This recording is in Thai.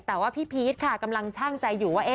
แต่ว่าพี่พีชค่ะกำลังช่างใจอยู่ว่า